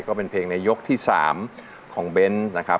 ก็เป็นเพลงในยกที่๓ของเบ้นนะครับ